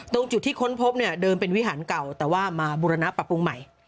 ตรงจุดที่ค้นพบเนี่ยเดิมเป็นวิหารเก่าแต่ว่ามาบุรณปรับปรุงใหม่